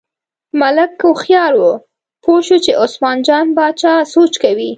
ملک هوښیار و، پوه شو چې عثمان جان باچا سوچ کوي.